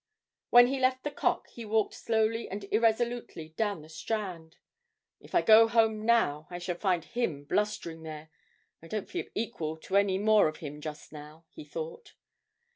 When he left the 'Cock' he walked slowly and irresolutely down the Strand. 'If I go home now I shall find him blustering there. I don't feel equal to any more of him just now,' he thought.